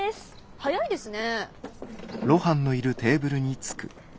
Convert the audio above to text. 早いですね。